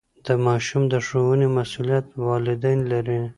د ماشوم د ښوونې مسئولیت والدین لري.